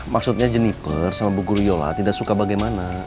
maksudnya jennifer sama bu guru yola tidak suka bagaimana